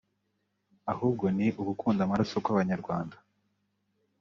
ahubwo ni ugukunda amaraso kw’Abanyarwanda